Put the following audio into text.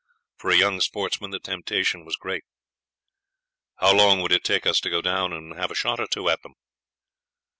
For a young sportsman the temptation was great. 'How long would it take us to go down and have a shot or two at them?'